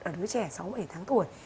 ở đứa trẻ sáu bảy tháng tuổi